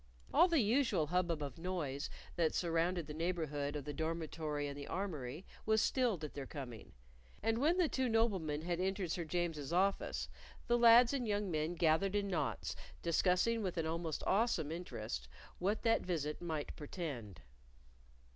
All the usual hubbub of noise that surrounded the neighborhood of the dormitory and the armory was stilled at their coming, and when the two noblemen had entered Sir James's office, the lads and young men gathered in knots discussing with an almost awesome interest what that visit might portend.